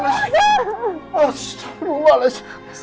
mas rumah mas